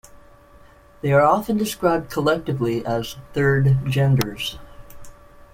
They are often described collectively as 'third genders.